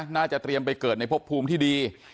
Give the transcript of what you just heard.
น่าจะเตรียมไปเกิดในภพภูมิที่ดี